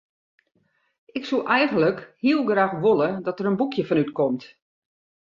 Ik soe eigentlik heel graach wolle dat der in boekje fan útkomt.